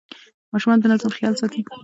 ماشومان د نظم خیال ساتي.